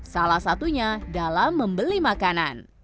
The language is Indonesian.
salah satunya dalam membeli makanan